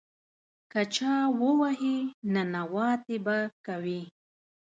که چا ووهې، ننواتې به کوې.